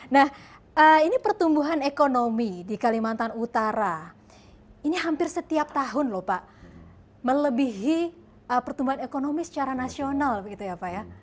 nah ini pertumbuhan ekonomi di kalimantan utara ini hampir setiap tahun lho pak melebihi pertumbuhan ekonomi secara nasional begitu ya pak ya